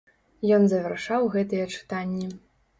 Ён завяршаў гэтыя чытанні.